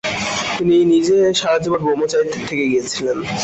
তিনি নিজে সারাজীবন ব্রহ্মচারী থেকে গিয়েছিলেন।